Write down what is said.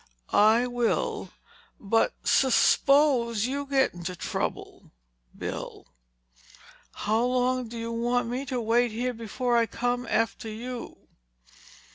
"I will. But su suppose you get into trouble, Bill. How long do you want me to wait here before I come after you?"